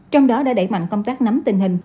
trong đó đã đẩy mạnh công tác nắm tình hình